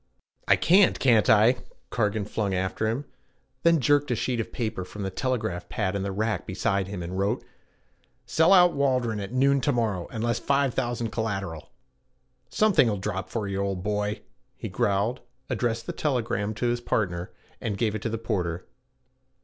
'I can't, can't I!' Cargan flung after him; then jerked a sheet from the telegraph pad in the rack beside him and wrote: 'Sell out Waldron at noon to morrow unless 5000 collateral.' 'Something'll drop for you, old boy,' he growled, addressed the telegram to his partner, and gave it to the porter.